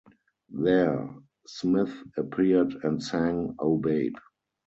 There, Smith appeared and sang "Oh, Babe".